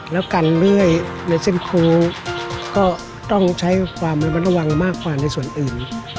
แล้วกันเลื่อยในเส้นครูก็ต้องใช้ความระมัดระวังมากกว่าในส่วนอื่น